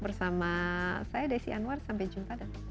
bersama saya desi anwar sampai jumpa